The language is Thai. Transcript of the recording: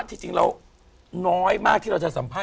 ที่จริงเราน้อยมากที่เราจะสัมภาษณ์